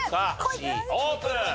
Ｃオープン！